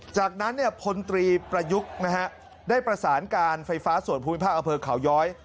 จากนั้นพลตรีประยุกต์นะฮะได้ประสานการไฟฟ้าส่วนภูมิภาคอเภอเขาย้อย